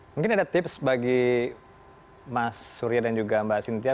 mungkin ada tips bagi mas surya dan juga mbak cynthia